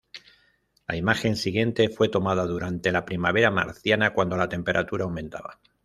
La imagen siguiente fue tomada durante la primavera marciana, cuando la temperatura aumentaba.